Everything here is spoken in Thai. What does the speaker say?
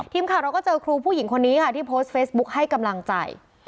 ทีมข่าวเราก็เจอครูผู้หญิงคนนี้ค่ะที่โพสต์เฟซบุ๊คให้กำลังใจ